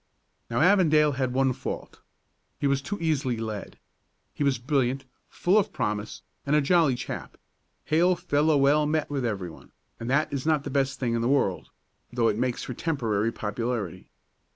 Now Avondale had one fault. He was too easily led. He was brilliant, full of promise, and a jolly chap hail fellow well met with everyone, and that is not the best thing in the world, though it makes for temporary popularity.